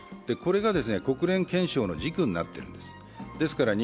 これが国連憲章の軸になっているんですね。